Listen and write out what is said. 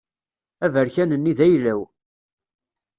Aberkan-nni d ayla-w.